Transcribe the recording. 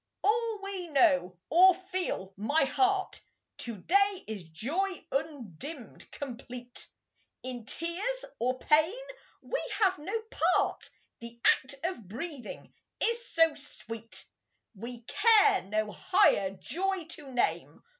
all we know, or feel, my heart, To day is joy undimmed, complete; In tears or pain we have no part; The act of breathing is so sweet, We care no higher joy to name.